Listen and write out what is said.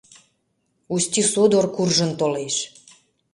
Усти содор куржын толеш.